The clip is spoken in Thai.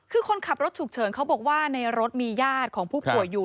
คือคนขับรถฉุกเฉินเขาบอกว่าในรถมีญาติของผู้ป่วยอยู่